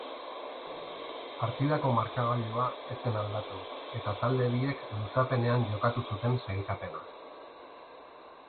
Partidako markagailua ez zen aldatu eta talde biek luzapenean jokatu zuten sailkapena.